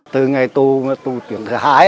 từ ngày tu tu trường thứ hai á